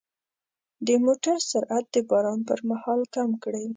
د موټر سرعت د باران پر مهال کم کړئ.